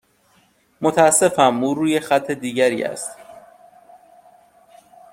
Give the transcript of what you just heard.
متاسفم، او روی خط دیگری است.